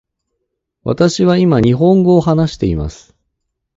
私は今日本語を話しています。